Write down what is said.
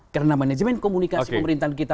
karena manajemen komunikasi pemerintahan kita